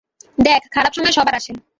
দেখ, খারাপ সময় সবার আসে।